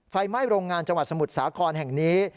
ไฟไหม้โรงงานจสมุทรสาครแห่งนี้